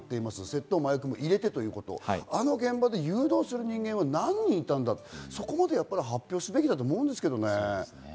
窃盗も麻薬も入れて、あの現場で誘導する人間は何人いたんだと、そこまで発表すべきだと思うんですけどね。